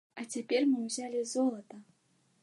А цяпер мы ўзялі золата!